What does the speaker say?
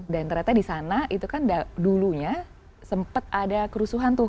dan ternyata di sana itu kan dulunya sempat ada kerusuhan tuh